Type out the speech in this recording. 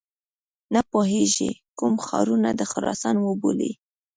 نه پوهیږي کوم ښارونه د خراسان وبولي.